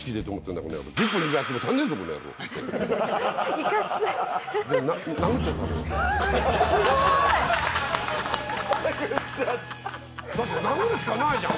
だって殴るしかないじゃん